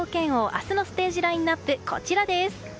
明日のステージラインアップはこちらです。